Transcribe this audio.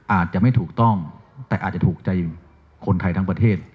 อาจจะไม่ถูกต้องแต่อาจจะถูกใจคนไทยทั้งประเทศ